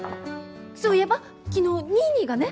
そういえば昨日ニーニーがね。